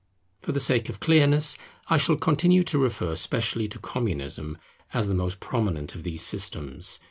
For the sake of clearness, I shall continue to refer specially to Communism as the most prominent of these systems.